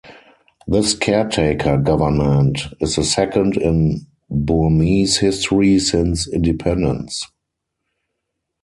This caretaker government is the second in Burmese history since independence.